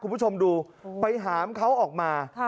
คุณผู้ชมดูไปหามเขาออกมา